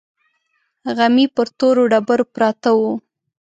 غمي پر تورو ډبرو پراته وو.